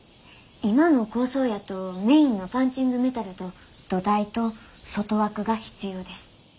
今の構想やとメインのパンチングメタルと土台と外枠が必要です。